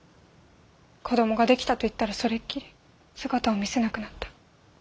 子どもが出来たと言ったらそれっきり姿を見せなくなった。